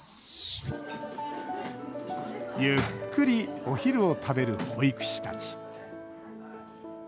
ゆっくりお昼を食べる保育士たち。